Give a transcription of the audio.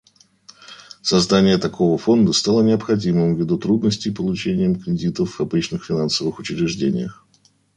Создание такого фонда стало необходимым ввиду трудностей с получением кредитов в обычных финансовых учреждениях.